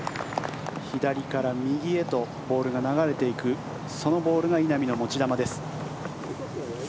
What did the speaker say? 左から右へとボールが流れていくそのボールが稲見の持ち球です。